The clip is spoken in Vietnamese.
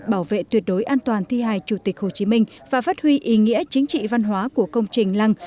bảo vệ tuyệt đối an toàn thi hài chủ tịch hồ chí minh và phát huy ý nghĩa chính trị văn hóa của công trình lăng